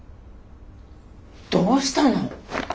どうしたの？